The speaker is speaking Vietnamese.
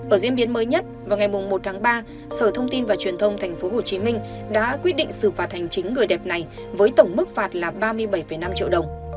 ở diễn biến mới nhất vào ngày một tháng ba sở thông tin và truyền thông tp hcm đã quyết định xử phạt hành chính người đẹp này với tổng mức phạt là ba mươi bảy năm triệu đồng